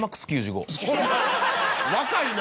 若いな！